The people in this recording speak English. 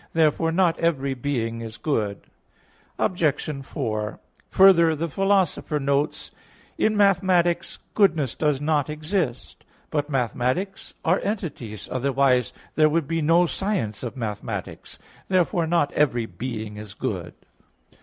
Therefore not every being is good. Obj. 4: Further, the Philosopher notes (Metaph. iii) that "in mathematics goodness does not exist." But mathematics are entities; otherwise there would be no science of mathematics. Therefore not every being is good.